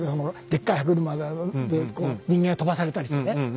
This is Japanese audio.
でっかい歯車で人間が飛ばされたりしてね。